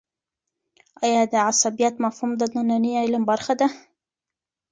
آیا د عصبيت مفهوم د ننني علم برخه ده؟